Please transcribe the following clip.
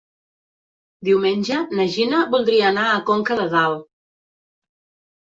Diumenge na Gina voldria anar a Conca de Dalt.